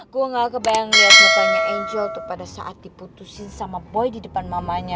aku gak kebayang lihat mukanya angel tuh pada saat diputusin sama boy di depan mamanya